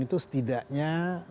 itu setidaknya enam puluh